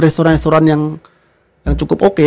restoran restoran yang cukup oke